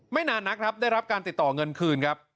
นานนักครับได้รับการติดต่อเงินคืนครับ